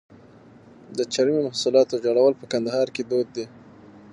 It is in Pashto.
د چرمي محصولاتو جوړول په کندهار کې دود دي.